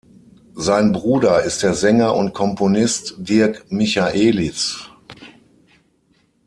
Sein Bruder ist der Sänger und Komponist Dirk Michaelis.